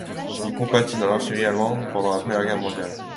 Il combattit dans l'artillerie allemande pendant la Première Guerre mondiale.